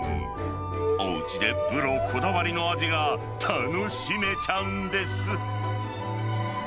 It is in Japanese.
おうちでプロこだわりの味が楽しめちゃうんです。